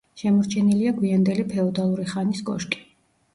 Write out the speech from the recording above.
შემორჩენილია გვიანდელი ფეოდალური ხანის კოშკი.